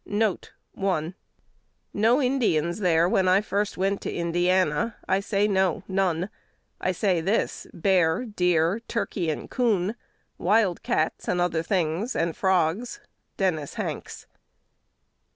1 "No Indians there when I first went to Indiana: I say, no, none. I say this: bear, deer, turkey, and coon, wild cats, and other things, and frogs." Dennis Hanks.